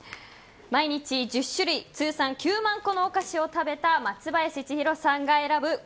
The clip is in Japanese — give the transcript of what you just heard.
毎日１０種類通算９万個のお菓子を食べた松林千宏さんが選ぶ